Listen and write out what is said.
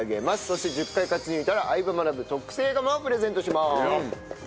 そして１０回勝ち抜いたら『相葉マナブ』特製釜をプレゼントします。